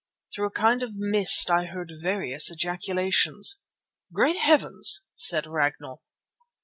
Through a kind of mist I heard various ejaculations: "Great Heavens!" said Ragnall.